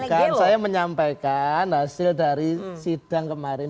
bukan saya menyampaikan hasil dari sidang kemarin